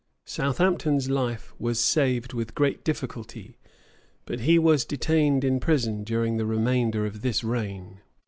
Southampton's life was saved with great difficulty; but he was detained in prison during the remainder of this reign.